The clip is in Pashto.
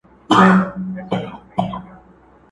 د خور او مور له ګریوانونو سره لوبي کوي!